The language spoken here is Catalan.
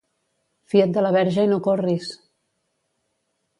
Fia't de la Verge i no corris!